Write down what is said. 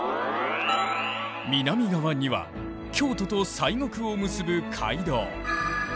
南側には京都と西国を結ぶ街道。